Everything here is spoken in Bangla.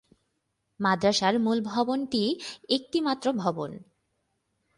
মাদ্রাসার মূল ভবনটি একটি মাত্র ভবন।